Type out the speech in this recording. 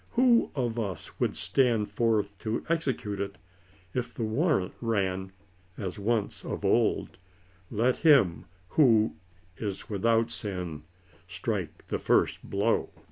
Who of us would stand forth to execute it, if the warrant ran, as once of old, " let him who is without sin" strike the first blow